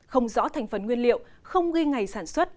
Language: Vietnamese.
không rõ thành phần nguyên liệu không ghi ngày sản xuất